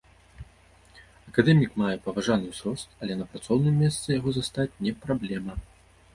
Акадэмік мае паважаны ўзрост, але на працоўным месцы яго застаць не праблема.